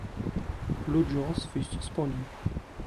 L'audience fut suspendue.